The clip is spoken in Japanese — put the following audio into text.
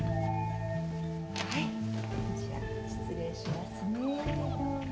はいじゃあ失礼しますねどうも。